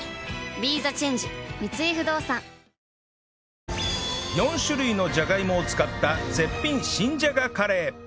ＢＥＴＨＥＣＨＡＮＧＥ 三井不動産４種類のじゃがいもを使った絶品新じゃがカレー